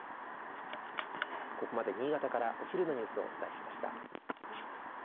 ここまで新潟からお昼のニュースをお伝えしました。